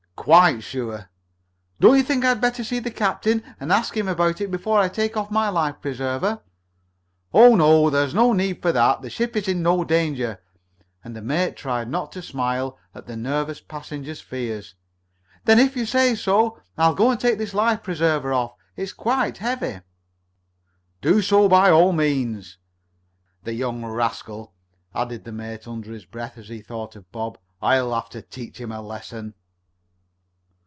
"Quite sure." "Don't you think I had better see the captain and ask him about it before I take off my life preserver?" "Oh, no; there is no need of that. The ship is in no danger," and the mate tried not to smile at the nervous passenger's fears. "Then if you say so I'll go and take this life preserver off. It is quite heavy." "Do so by all means. The young rascal," added the mate under his breath as he thought of Bob. "I'll have to teach him a lesson."